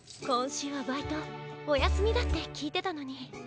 こんしゅうはバイトおやすみだってきいてたのに。